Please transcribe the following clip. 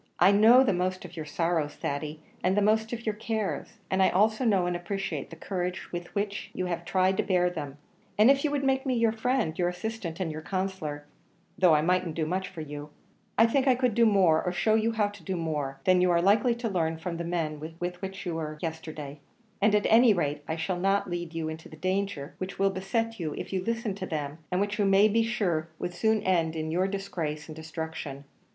I know the most of your sorrows, Thady, and the most of your cares; and I also know and appreciate the courage with which you have tried to bear them; and if you would make me your friend, your assistant, and your counsellor, though I mightn't do much for you, I think I could do more, or show you how to do more, than you are likely to learn from the men you were with yesterday; and at any rate, I shall not lead you into the danger which will beset you if you listen to them, and which, you may be sure, would soon end in your disgrace and destruction.